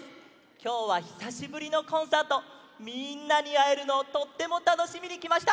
きょうはひさしぶりのコンサートみんなにあえるのをとってもたのしみにきました！